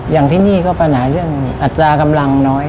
อย่างที่นี่ก็ปัญหาเรื่องอัตรากำลังน้อย